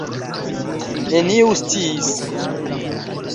Neniu sciis.